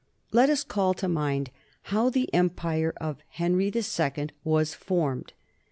Let us call to mind how the empire of Henry II was formed.